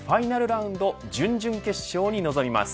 ファイナルラウンド準々決勝に臨みます。